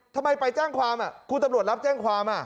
ไปแจ้งความคุณตำรวจรับแจ้งความ